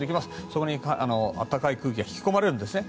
そこに暖かい空気が引き込まれるんですね。